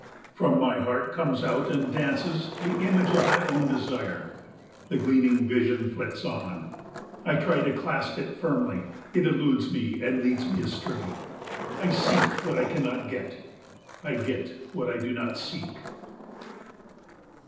From my heart comes out and dances the image of my own desire. The gleaming vision flits on. I try to clasp it firmly, it eludes me and leads me astray. I seek what I cannot get, I get what I do not seek.